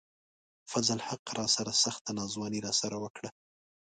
فضل الحق راسره سخته ناځواني راسره وڪړه